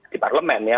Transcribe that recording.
di parlemen ya